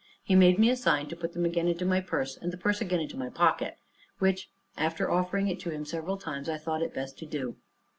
He made me a sign to put them again into my purse, and the purse again into my pocket, which, after offering it to him several times, I thought it best to do.